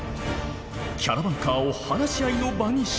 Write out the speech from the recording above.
キャラバンカーを話し合いの場にしたい！